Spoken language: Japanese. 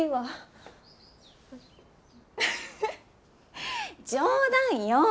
フフッ冗談よ！